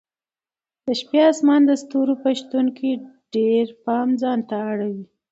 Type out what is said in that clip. د شپې اسمان د ستورو په شتون کې ډېر پام ځانته اړوي.